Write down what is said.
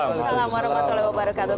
waalaikumsalam warahmatullahi wabarakatuh